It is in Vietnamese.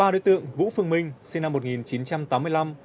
ba đối tượng vũ phương minh sinh năm một nghìn chín trăm tám mươi năm